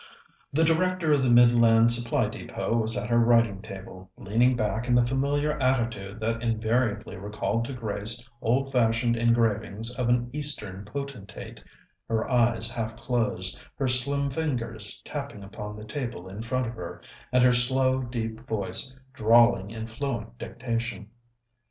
The Director of the Midland Supply Depôt was at her writing table, leaning back in the familiar attitude that invariably recalled to Grace old fashioned engravings of an Eastern potentate, her eyes half closed, her slim fingers tapping upon the table in front of her, and her slow, deep voice drawling in fluent dictation.